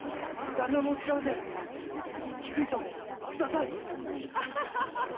旦那のお力で菊路さんをください！